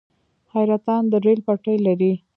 حیرتان د ریل پټلۍ لري